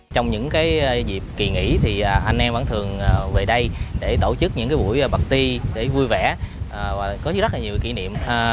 trong những dịp kỳ nghỉ thì anh em vẫn thường về đây để tổ chức những buổi party để vui vẻ có rất nhiều kỷ niệm